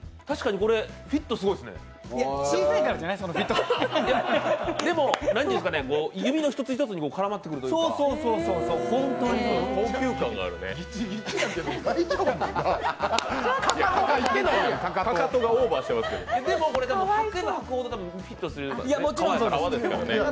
確かにこれ、フィットすごいですね。